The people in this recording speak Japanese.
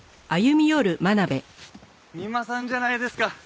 三馬さんじゃないですか。